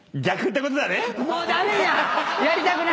もう駄目じゃん！